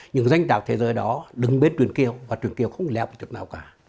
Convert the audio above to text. những danh tạc thế giới đó đứng bên truyền kiều và truyền kiều không lẹ một chút nào cả